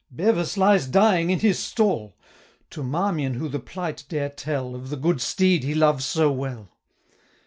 Bevis lies dying in his stall: To Marmion who the plight dare tell, Of the good steed he loves so well?'